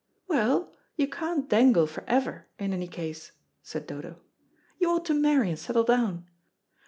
"Well, you can't dangle for ever in any case," said Dodo. "You ought to marry and settle down.